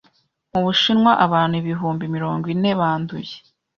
Mu Bushinwa, abantu ibihumbi mirongo ine banduye